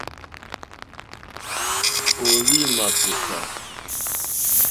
Ò óhwì mâkótá.